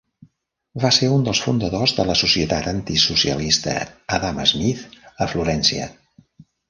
Va ser un dels fundadors de la Societat antisocialista Adam Smith a Florència.